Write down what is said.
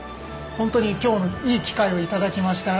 ホントに今日いい機会を頂きました。